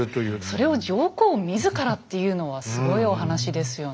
それを上皇自らっていうのはすごいお話ですよね。